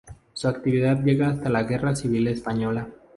Su actividad llega hasta la guerra civil española.